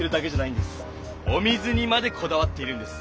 お水にまでこだわっているんです！